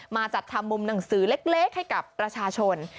จัดทำมุมหนังสือเล็กให้กับประชาชน